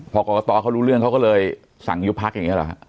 พอกรกตเขารู้เรื่องเขาก็เลยสั่งยุบพักอย่างนี้หรอฮะ